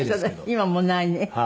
今もうないね。